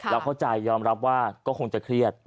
เข้าใจยอมรับว่าก็คงจะเครียด